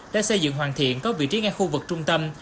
đã xây dựng hoàn thiện có vị trí ngay khu vực trung tâm